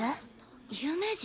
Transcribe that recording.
有名人？